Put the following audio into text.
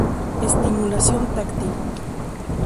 Estimulación táctil.